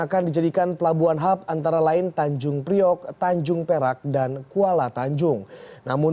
akan dijadikan pelabuhan hub antara lain tanjung priok tanjung perak dan kuala tanjung namun